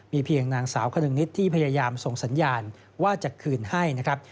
เพียงนางสาวคนึงนิดที่พยายามส่งสัญญาณว่าจะคืนให้นะครับ